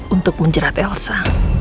untuk menjerat elsa